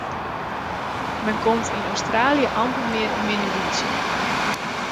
Men komt yn Australië amper mear in minne wyn tsjin.